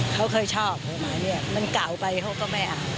เขาเคยชอบกฎหมายเนี่ยมันเก่าไปเขาก็ไม่เอา